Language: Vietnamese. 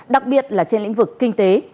đặc biệt là trên lĩnh vực kinh tế